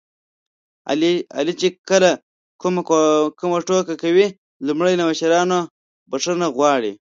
علي چې کله کومه ټوکه کوي لومړی له مشرانو نه بښنه غواړي.